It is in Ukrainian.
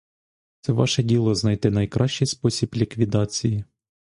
Це ваше діло знайти найкращий спосіб ліквідації.